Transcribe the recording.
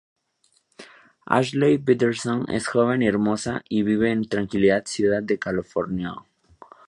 Ashley Patterson es joven y hermosa y vive en una tranquila ciudad de California.